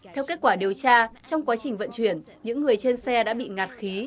theo kết quả điều tra trong quá trình vận chuyển những người trên xe đã bị ngạt khí